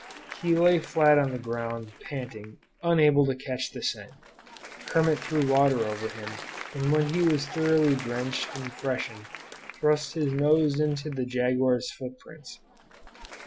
He lay flat on the ground, panting, unable to catch the scent. Kermit threw water over him, and when he was thoroughly drenched and freshened, thrust his nose into the jaguar's footprints.